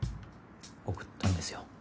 送ったんですよ